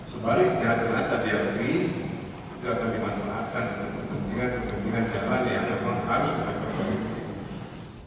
sebaliknya ternyata di lb tidak akan dimanfaatkan dengan kepentingan jalan yang berlangganan